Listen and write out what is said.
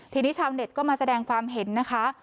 ทีนี้ชาวเน็ตก็มาแสดงความเห็นนะคะ